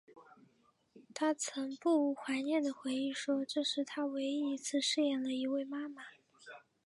她曾不无怀念的回忆说这是她唯一一次饰演了一位妈妈。